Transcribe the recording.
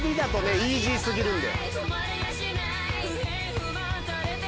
イージー過ぎるんで。